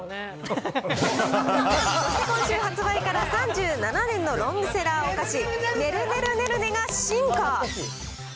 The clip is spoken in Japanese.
そして今週発売から３７年のロングセラーお菓子、ねるねるねるねが進化。